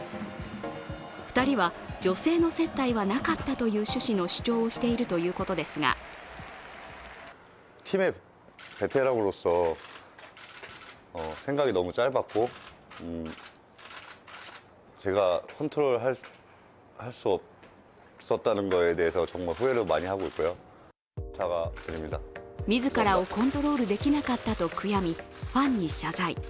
２人は女性の接待はなかったという趣旨の主張をしているということですが自らをコントロールできなかったと悔やみ、ファンに謝罪。